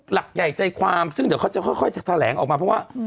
หลักใหญ่ใจความซึ่งเดี๋ยวเขาจะค่อยจะแถลงออกมาเพราะว่า